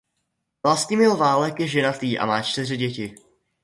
Vlastimil Válek je ženatý a má čtyři děti.